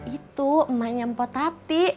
itu emak nyempot hati